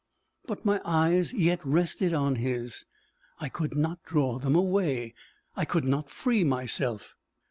But my eyes yet rested on his; I could not draw them away. I could not free myself.